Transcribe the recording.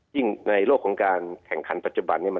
ยิ่งในโลกของการแข่งขันปัจจุบัน